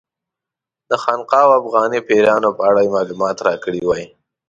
د خانقا او افغاني پیرانو په اړه یې معلومات راکړي وای.